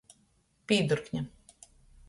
Pierdukne.